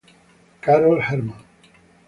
Carol Herman